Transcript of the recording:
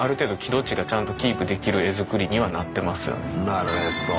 なるへそ。